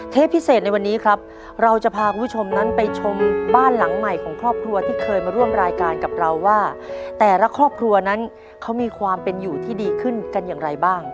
พิเศษในวันนี้ครับเราจะพาคุณผู้ชมนั้นไปชมบ้านหลังใหม่ของครอบครัวที่เคยมาร่วมรายการกับเราว่าแต่ละครอบครัวนั้นเขามีความเป็นอยู่ที่ดีขึ้นกันอย่างไรบ้าง